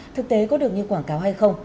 thực tế có được như quảng cáo hay không